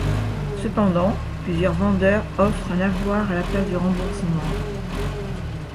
Cependant, plusieurs vendeurs offrent un avoir à la place du remboursement.